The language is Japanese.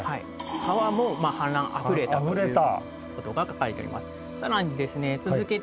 川も氾濫あふれたという事が書かれてあります。